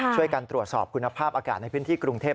ช่วยกันตรวจสอบคุณภาพอากาศในพื้นที่กรุงเทพ